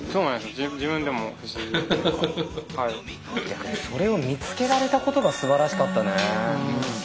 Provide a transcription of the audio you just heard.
逆にそれを見つけられたことがすばらしかったね。